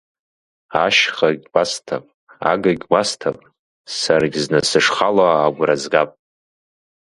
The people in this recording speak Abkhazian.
Ашьхагь гәасҭап, агагь гәасҭап, саргь зны сышхало агәра згап.